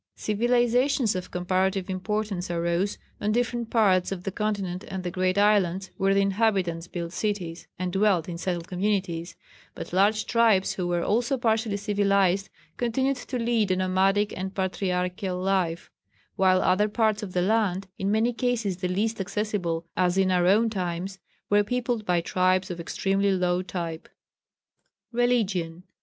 Civilisations of comparative importance arose on different parts of the continent and the great islands where the inhabitants built cities and dwelt in settled communities, but large tribes who were also partially civilised continued to lead a nomadic and patriarchial life; while other parts of the land in many cases the least accessible, as in our own times were peopled by tribes of extremely low type. [Sidenote: Religion.